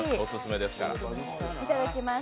いただきます。